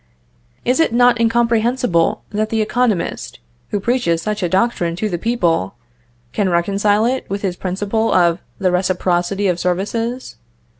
Is it not incomprehensible that the economist, who preaches such a doctrine to the people, can reconcile it with his principle of the reciprocity of services?